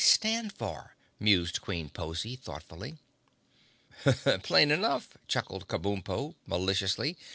stand for?" mused Queen Pozy thoughtfully. "Plain enough," chuckled Kabumpo, maliciously.